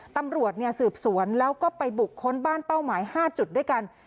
ตำรวจสืบสวนแล้วก็ไปบุกค้นบ้านเป้าหมาย๕จุดด้วยกัน